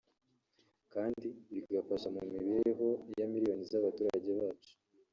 kandi bigafasha mu mibereho ya miliyoni z’abaturage bacu